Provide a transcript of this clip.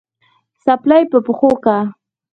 څپلۍ په پښو که